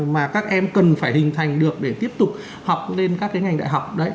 mà các em cần phải hình thành được để tiếp tục học lên các cái ngành đại học đấy